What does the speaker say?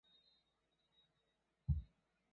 咸平三年知枢密院事。